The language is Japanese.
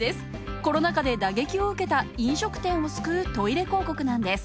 コロナ禍で打撃を受けた飲食店を救うトイレ広告なんです。